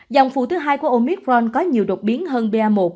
dòng phù thứ hai của omicron có nhiều đột biến hơn ba một